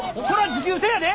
持久戦やで。